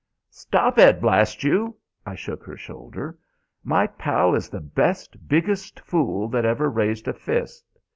"Stop it, blast you!" I shook her shoulder. "My pal is the best, biggest fool that ever raised a fist.